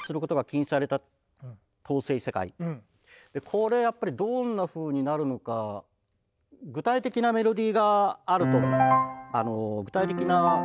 これやっぱりどんなふうになるのか具体的なメロディーがあると。